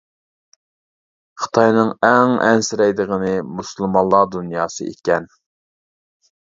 خىتاينىڭ ئەڭ ئەنسىرەيدىغىنى مۇسۇلمانلار دۇنياسى ئىكەن.